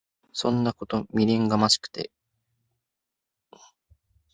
そんなこと未練がましく繰り返してさ。